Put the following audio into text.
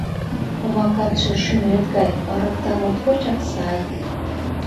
Комакатше шӱмет гай, ырыкта моткочак сай.